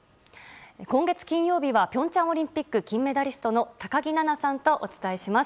今月金曜日は平昌オリンピック金メダリストの高木菜那さんとお伝えします。